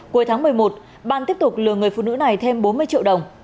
cuối tháng một mươi một ban tiếp tục lừa người phụ nữ này thêm bốn mươi triệu đồng